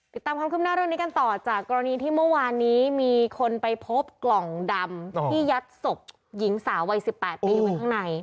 ติดตามความคืบหน้าเรื่องนี้กันต่อจากกรณีที่เมื่อวานนี้มีคนไปพบกล่องดำที่ยัดศพหญิงสาววัย๑๘ปีไว้ข้างใน